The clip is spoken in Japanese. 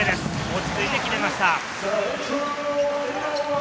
落ち着いて決めました。